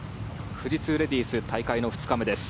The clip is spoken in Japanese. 富士通レディース大会の２日目です。